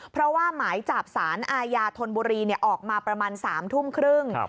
เพราะว่าหมายจับสารอาญาธนบุรีออกมาประมาณ๓ทุ่มครึ่ง